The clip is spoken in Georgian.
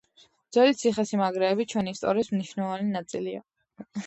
ძველი ციხესიმაგრეები ჩვენი ისტორიის მნიშვნელოვანი ნაწილია.